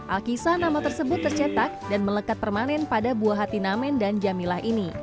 alkisah nama tersebut tercetak dan melekat permanen pada buah hati namen dan jamilah ini